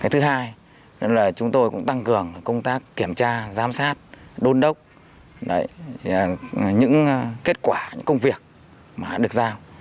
thứ hai là chúng tôi cũng tăng cường công tác kiểm tra giám sát đôn đốc những kết quả những công việc mà được giao